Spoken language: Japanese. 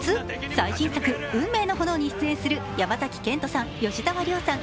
最新作「運命の炎」に出演する山崎賢人さん、吉沢亮さん